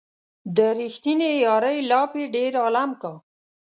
د ريښتينې يارۍ لاپې ډېر عالم کا